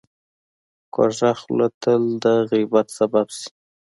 کوږه خوله تل د غیبت سبب شي